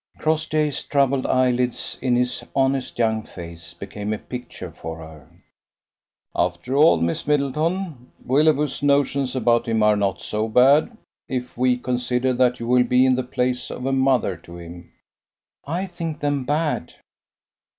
Crossjay's troubled eyelids in his honest young face became a picture for her. "After all, Miss Middleton, Willoughby's notions about him are not so bad, if we consider that you will be in the place of a mother to him." "I think them bad."